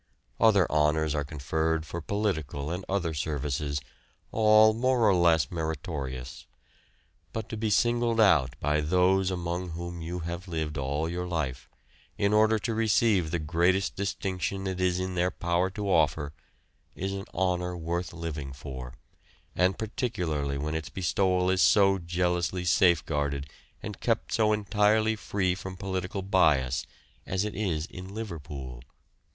Other honours are conferred for political and other services, all more or less meritorious; but to be singled out by those among whom you have lived all your life in order to receive the greatest distinction it is in their power to offer is an honour worth living for, and particularly when its bestowal is so jealously safe guarded and kept so entirely free from political bias as it is in Liverpool.